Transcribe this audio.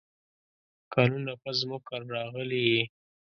کلونه پس زموږ کره راغلې یې !